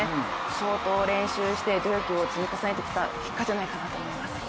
相当練習して努力を積み重ねてきた結果じゃないかなと思います。